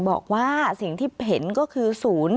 บอกว่าสิ่งที่เห็นก็คือ๐๔